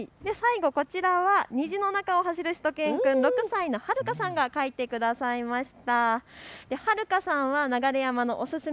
最後、こちらは虹の中を走るしゅと犬くん、遥香さんが描いてくださいました。